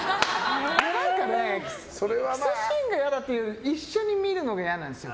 なんかねキスシーンが嫌だっていうより一緒に見るのが嫌なんですよ